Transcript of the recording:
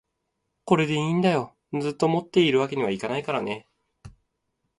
これでいいんだよ、ずっと持っているわけにはいけないからね